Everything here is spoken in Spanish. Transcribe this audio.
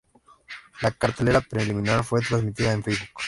La cartelera preliminar fue transmitida en Facebook.